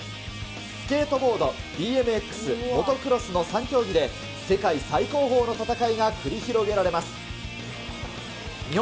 スケートボード、ＢＭＸ、モトクロスの３競技で世界最高峰の戦いが繰り広げられます。